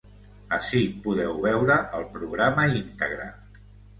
Ací podeu veure el programa íntegre.